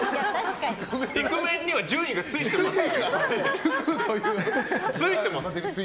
イクメンには順位がついてますから。